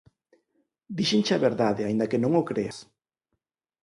Díxenche a verdade, aínda que non o creas